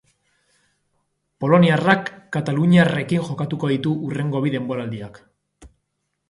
Poloniarrak kataluniarrekin jokatuko ditu hurrengo bi denboraldiak.